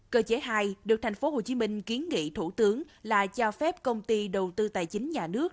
cơ chế hai được tp hcm kiến nghị thủ tướng là cho phép công ty đầu tư tài chính nhà nước